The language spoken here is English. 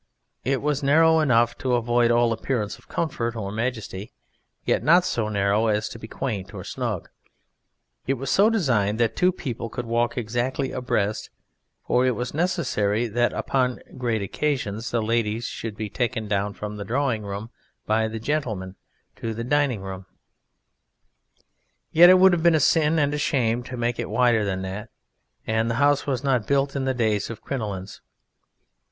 It was narrow enough to avoid all appearance of comfort or majesty, yet not so narrow as to be quaint or snug. It was so designed that two people could walk exactly abreast, for it was necessary that upon great occasions the ladies should be taken down from the drawing room by the gentlemen to the dining room, yet it would have been a sin and a shame to make it wider than that, and the house was not built in the days of crinolines.